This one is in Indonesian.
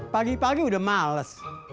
pagi pagi udah males